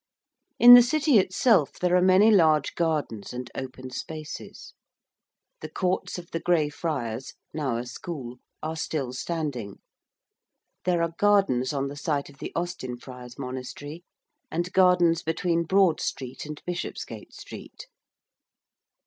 In the City itself there are many large gardens and open spaces. The courts of the Grey Friars, now a school, are still standing: there are gardens on the site of the Austin Friars' monastery and gardens between Broad Street and Bishopsgate Street.